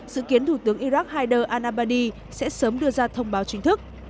dự kiến thủ tướng iraq haider al abadi sẽ sớm đưa ra thông báo chính thức